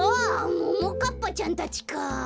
ももかっぱちゃんたちか。